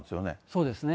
そうですね。